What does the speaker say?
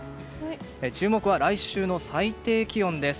注目は来週の最低気温です。